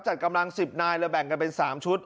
จัดกำลังสิบนายและแบ่งกันเป็นสามชุด